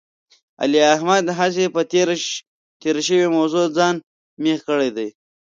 علي او احمد هسې په تېره شوې موضوع ځان مېخ کړی دی.